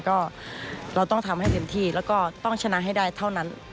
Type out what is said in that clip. ก็เราต้องทำให้เต็มที่แล้วก็ต้องชนะให้ได้เท่านั้น